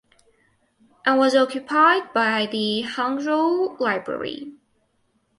And was occupied by the Hangzhou Library.